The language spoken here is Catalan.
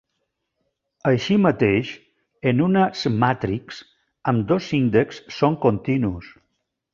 Així mateix, en una "cmatrix" ambdós índexs són continus.